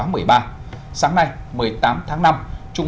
sáng nay một mươi tám tháng năm trung ương họp phiên bế mạc tại hội trường